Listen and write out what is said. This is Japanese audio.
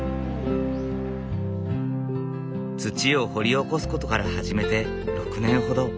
土を掘り起こすことから始めて６年ほど。